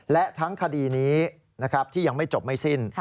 และทั้งคดีนี้นะครับที่ยังไม่จบไม่สิ้น